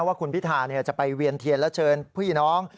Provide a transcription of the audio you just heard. ว่าคุณพิธาจะไปเวียนเทียนและเชิญพี่น้อง